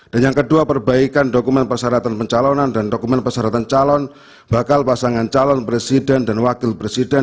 dan yang kedua perbaikan dokumen persyaratan pencalonan dan dokumen persyaratan calon bakal pasangan calon presiden dan wakil presiden